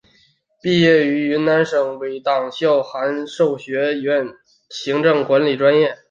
毕业于云南省委党校函授学院行政管理专业。